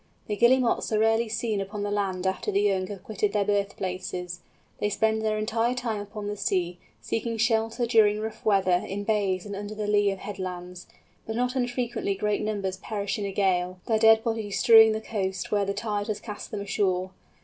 The Guillemots are rarely seen upon the land after the young have quitted their birthplaces; they spend their entire time upon the sea, seeking shelter during rough weather in bays or under the lee of headlands, but not unfrequently great numbers perish in a gale, their dead bodies strewing the coast where the tide has cast them ashore.